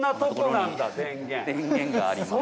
電源があります。